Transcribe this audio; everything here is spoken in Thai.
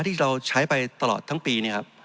ที่เราใช้ไปตลอดทั้งปี